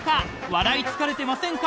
［笑い疲れてませんか？